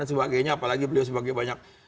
dan sebagainya apalagi beliau sebagai banyak